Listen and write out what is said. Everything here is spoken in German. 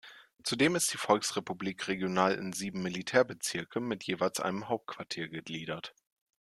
Zudem ist die Volksrepublik regional in sieben Militärbezirke mit jeweils einem Hauptquartier gegliedert.